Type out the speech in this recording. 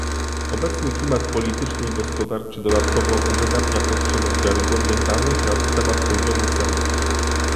Obecny klimat polityczny i gospodarczy dodatkowo uwydatnia potrzebę wiarygodnych danych na temat poziomu cen